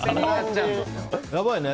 やばいね。